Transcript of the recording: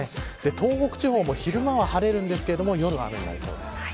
東北地方も昼間は晴れますが夜は雨になりそうです。